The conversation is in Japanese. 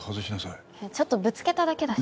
いやちょっとぶつけただけだし。